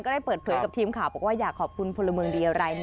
ได้เปิดเผยกับทีมข่าวบอกว่าอยากขอบคุณพลเมืองดีอะไร